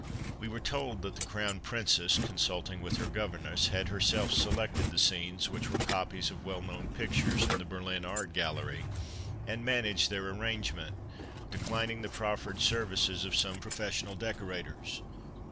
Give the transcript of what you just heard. We were told that the Crown Princess, consulting with her governess, had herself selected the scenes, which 64 William I., Emperor of Germany 65 A" Royal Christmas Tree were copies of well known pictures in the Berlin Art Gallery, and managed their arrangement, declin ing the proffered services of some professional decorators.